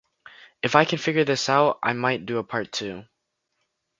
If I can figure this out I might do a part two.